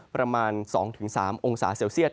ประมาณ๒๓องศาเซลเซียต